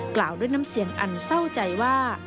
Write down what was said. กล่าวด้วยน้ำเสียงอันเศร้าใจว่า